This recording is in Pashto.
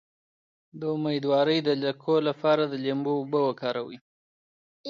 د امیدوارۍ د لکو لپاره د لیمو اوبه وکاروئ